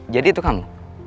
jadi itu kamu